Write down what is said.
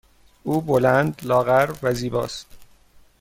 او بلند، لاغر و زیبا است.